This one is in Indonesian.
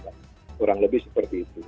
kurang lebih seperti itu